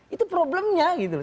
itu problemnya gitu loh